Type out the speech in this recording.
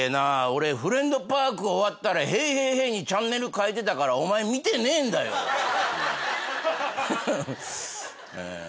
俺『フレンドパーク』終わったら『ＨＥＹ！ＨＥＹ！ＨＥＹ！』にチャンネル変えてたからお前観てねぇんだよ‼えねっ。